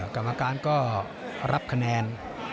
กรรมการก็รับคะแนน